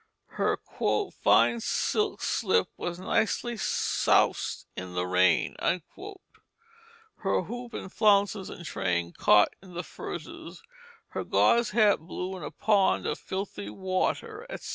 Her "fine silk slip was nicely soused in the rain"; her hoop and flounces and train caught in the furzes, her gauze hat blew in a pond of filthy water, etc.